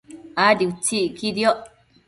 Adi utsi iquidioc